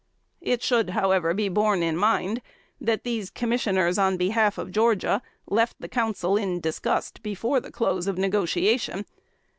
It should however be borne in mind, that these Commissioners on behalf of Georgia left the council in disgust, before the close of the negotiation.